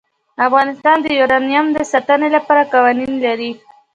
افغانستان د یورانیم د ساتنې لپاره قوانین لري.